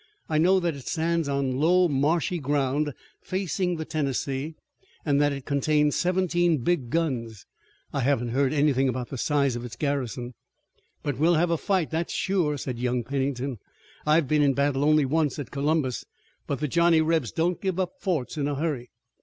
I know that it stands on low, marshy ground facing the Tennessee, and that it contains seventeen big guns. I haven't heard anything about the size of its garrison." "But we'll have a fight, that's sure," said young Pennington. "I've been in battle only once at Columbus but the Johnny Rebs don't give up forts in a hurry."